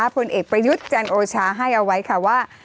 ผลเอกประยุทธ์จันโอชาให้เอาไว้ค่ะว่า